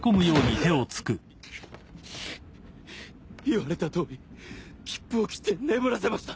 言われたとおり切符をきって眠らせました。